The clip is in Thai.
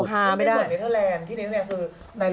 เอาหาไม่ได้